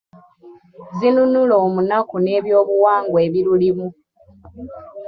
Zinunula Omunaku n’ebyobuwangwa ebirulimu.